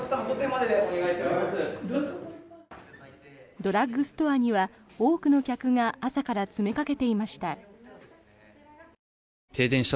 ドラッグストアには多くの客が朝から詰めかけていました。